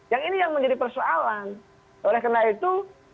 yang ini yang menjadi persoalan oleh karena itu